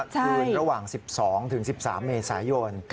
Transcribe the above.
คืนระหว่าง๑๒ถึง๑๓เมษายน